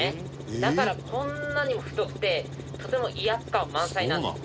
だからこんなにも太くてとても威圧感満載なんです。